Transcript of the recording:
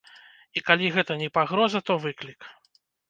І калі гэта не пагроза, то выклік.